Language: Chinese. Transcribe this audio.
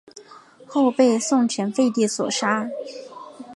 后被宋前废帝所杀。